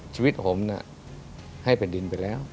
ชีวิตผมให้แผ่นดินไปแล้ว